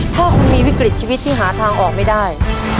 ถ้าคุณมีวิกฤตชีวิตที่หาทางออกไม่ได้